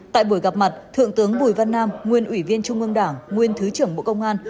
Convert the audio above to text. tại buổi gặp mặt thượng tướng bùi văn nam nguyên ủy viên trung ương đảng nguyên thứ trưởng bộ công an